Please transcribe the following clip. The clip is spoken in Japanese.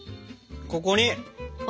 ここに！